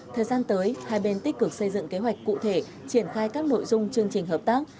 thời gian tới hai bên tích cực xây dựng kế hoạch cụ thể triển khai các nội dung chương trình hợp tác